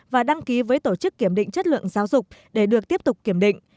và đăng ký với tổ chức kiểm định chất lượng giáo dục để được tiếp tục kiểm định